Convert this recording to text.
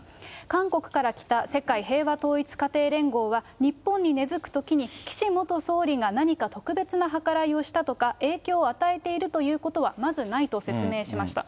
韓国から来た世界平和統一家庭連合は、日本に根付くときに岸元総理が何か特別な計らいをしたとか、影響を与えているということはまずないと説明しました。